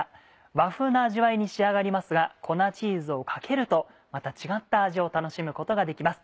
和風な味わいに仕上がりますが粉チーズをかけるとまた違った味を楽しむことができます。